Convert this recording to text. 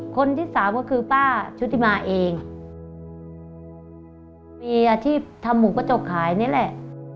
คนที่สามก็คือป้าชุติมาเองมีอาชีพทำหมูกระจกขายนี่แหละ